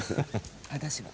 私は？